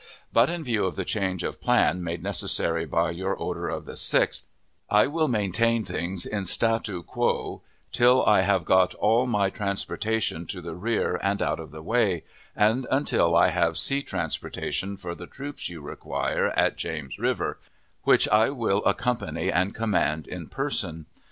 But, in view of the change of plan made necessary by your order of the 6th, I will maintain things in statu quo till I have got all my transportation to the rear and out of the way, and until I have sea transportation for the troops you require at James River, which I will accompany and command in person.